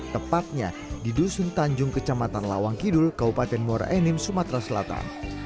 tepatnya di dusun tanjung kecamatan lawang kidul kabupaten muara enim sumatera selatan